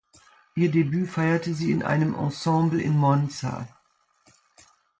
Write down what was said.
Ihr Debüt feierte sie in einem Ensemble in Monza.